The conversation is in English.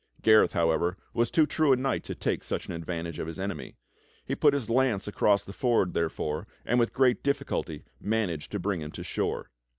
Gareth, however, was too true a knight to take such an ad vantage of his enemy. He put his lance across the ford, therefore, and with great difficulty managed to bring him to shore.